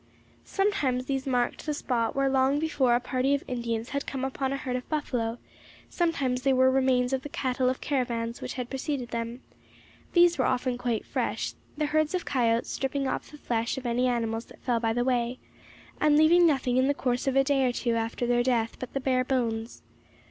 Sometimes these marked the spot where long before a party of Indians had come upon a herd of buffalo, sometimes they were remains of the cattle of caravans which had preceded them; these were often quite fresh, the herds of coyotes stripping off the flesh of any animals that fell by the way, and leaving nothing in the course of a day or two after their death but the bare bones.